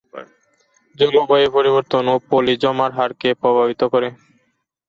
জলবায়ু পরিবর্তনও পলি জমার হারকে প্রভাবিত করে।